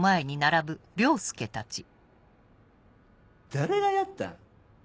誰がやった？